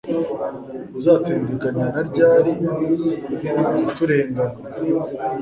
uzatindiganya na ryari kuturenganura